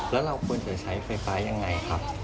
แล้วเราควรจะใช้ไฟฟ้ายังไงครับ